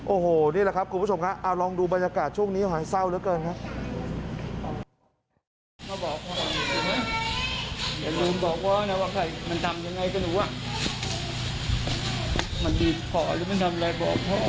โอ้โหนี่แหละครับคุณผู้ชมครับเอาลองดูบรรยากาศช่วงนี้หายเศร้าเหลือเกินครับ